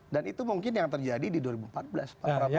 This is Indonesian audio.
dan itu mungkin yang terjadi di dua ribu empat belas pak prabowo dengan satria